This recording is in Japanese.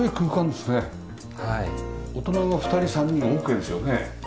大人の２人３人オーケーですよね？